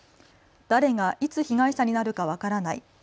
誰がいつ被害者になるか分からない。